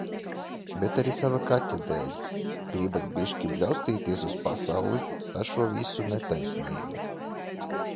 Bet arī sava kaķa dēļ. Gribas bišķi bļaustīties uz pasauli par šo visu netaisnību.